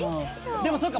でもそうか。